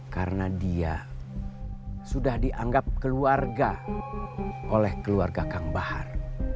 karena dia sudah dianggap keluarga oleh keluarga kang bahar